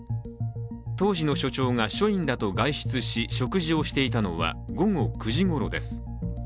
当時の署長が署員らと外出し食事をしていたのは午後９時ごろです。